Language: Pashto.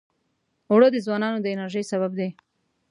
اوړه د ځوانانو د انرژۍ سبب دي